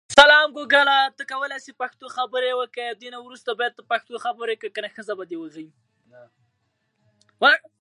زما هديره